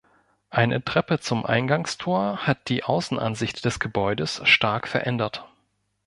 Eine Treppe zum Eingangstor hat die Außenansicht des Gebäudes stark verändert.